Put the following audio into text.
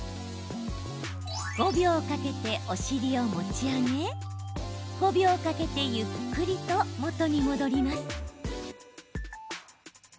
５秒かけてお尻を持ち上げ５秒かけてゆっくりと元に戻ります。